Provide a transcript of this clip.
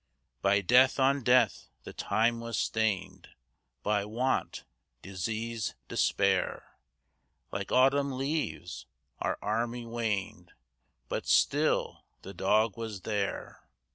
By death on death the time was stained, By want, disease, despair; Like autumn leaves our army waned, But still the dog was there.